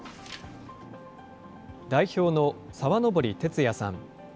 代表の沢登哲也さん。